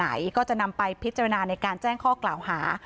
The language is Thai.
ไหนก็จะนำไปพิจารณาในการแจ้งข้อกล่าวหา